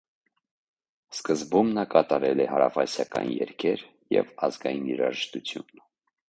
Սկզբում նա կատարել է հարավասիական երգեր և ազգային երաժշտություն։